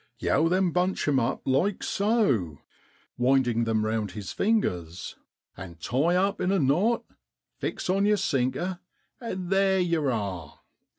'Yow then bunch 'em up like so ' (winding them round his fingers) 'an' tie up in a knot, fix on yer sinker, an' theer yow are.